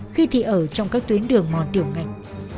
khi thì ở trong các tuyến đường mòn tiểu ngạch